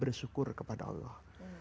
bersyukur kepada allah